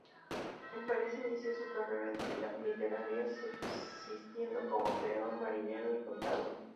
En París inició su carrera literaria, subsistiendo como peón, marinero y contable.